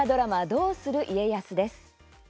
「どうする家康」です。